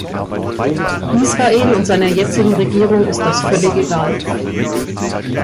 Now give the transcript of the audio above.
Israel und seiner jetzigen Regierung ist das völlig egal.